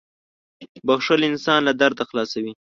• بښل انسان له درده خلاصوي.